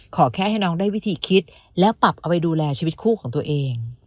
ขอแค่ให้น้องได้วิธีคิดและปรับเอาไปดูแลชีวิตคู่ของตัวเอง